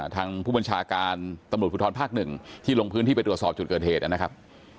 ทางผู้บัญชาการตำรวจภูทรภาคหนึ่งที่ลงพื้นที่ไปตรวจสอบจุดเกิดเหตุนะครับ